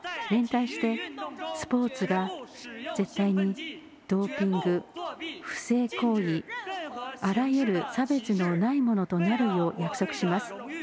連帯してスポーツが、絶対にドーピング、不正行為あらゆる差別のないものになるよう約束します。